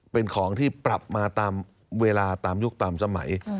เป็นของที่ปรับมาตามเวลาตามยุคตามสมัย